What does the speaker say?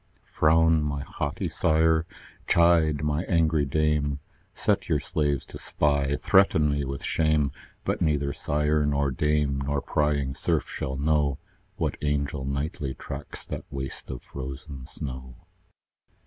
Frown, my haughty sire! chide, my angry dame! Set your slaves to spy; threaten me with shame: But neither sire nor dame, nor prying serf shall know, What angel nightly tracks that waste of frozen snow.